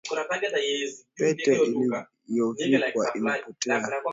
Pete aliyovikwa imepotea